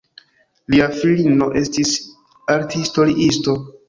Lia filino estis arthistoriisto.